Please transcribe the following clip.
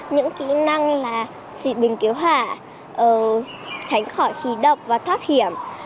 những kỹ năng là xịt bình cứu hỏa tránh khỏi khí độc và thoát hiểm